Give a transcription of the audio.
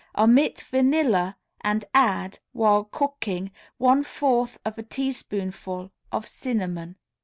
Omit vanilla, and add, while cooking, one fourth of a teaspoonful of cinnamon.